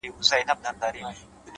• الوتني کوي ـ